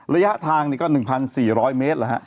ระยะทางก็๑๔๐๐เมตรแล้วฮะ